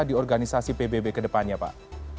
di organisasi pbb ke depannya pak